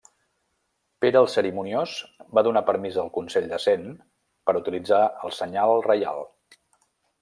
Pere el Cerimoniós va donar permís al Consell de Cent per utilitzar el Senyal Reial.